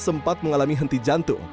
sempat mengalami henti jantung